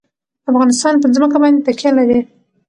افغانستان په ځمکه باندې تکیه لري.